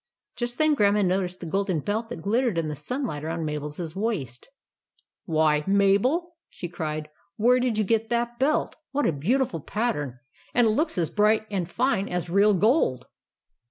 Just then Grandma noticed the golden belt that glittered in the sunlight around Mabel's waist. " Why, Mabel 1 " she cried. " Where did you get that belt ? What a beautiful pat tern ! And it looks as bright and fine as real gold."